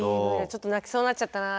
ちょっと泣きそうになっちゃったな。